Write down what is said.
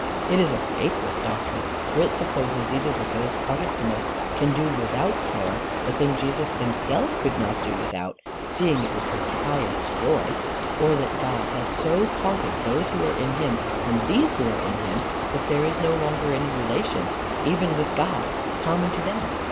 It is a faithless doctrine, for it supposes either that those parted from us can do without prayer, the thing Jesus himself could not do without, seeing it was his highest joy, or that God has so parted those who are in him from these who are in him, that there is no longer any relation, even with God, common to them.